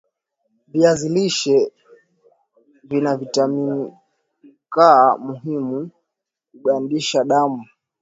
viazi lishe Vina vitamini K muhimu kugandisha damu